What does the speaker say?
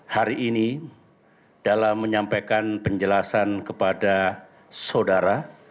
hari ini dalam menyampaikan penjelasan kepada saudara